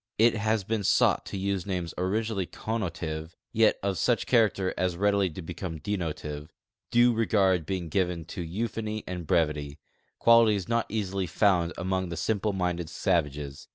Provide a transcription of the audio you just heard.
It has been sought to use names originally con notive yet of such character as readily to become denotive, due regard l)eing given to euphony and brevity — qualities not easily found among the simple minded savages.